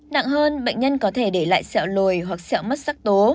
nặng hơn bệnh nhân có thể để lại sẹo lồi hoặc sẹo mất sắc tố